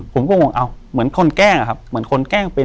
ผมก็งงเอาเหมือนคนแกล้งอะครับเหมือนคนแกล้งเป็น